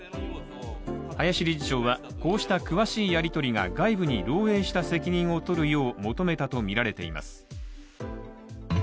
林理事長は、こうした詳しいやり取りが外部に漏えいした責任をとるよう求めたとみられています。